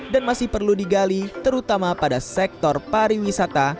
dan masih perlu digali terutama pada sektor pariwisata